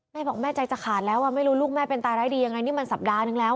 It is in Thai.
แม่บอกว่าแม่ใจจะขาดแล้วเห็นไหมอย่างไรนี่มันสัปดาห์นึงแล้ว